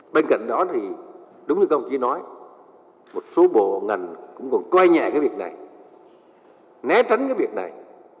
bên cạnh đó thì đúng như công ty nói một số bộ ngành cũng còn coi nhẹ cái việc này né tránh cái việc này